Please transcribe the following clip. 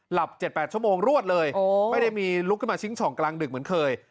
๗๘ชั่วโมงรวดเลยไม่ได้มีลุกขึ้นมาชิงช่องกลางดึกเหมือนเคย